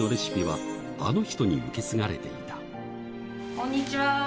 こんにちは。